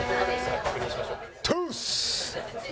トゥース！